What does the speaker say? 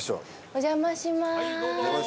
お邪魔します。